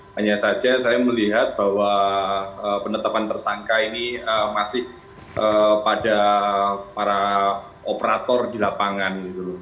hanya saja saya melihat bahwa penetapan tersangka ini masih pada para operator di lapangan